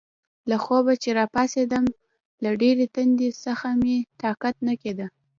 له خوبه چې راپاڅېدم، له ډېرې تندې څخه مې طاقت نه کېده.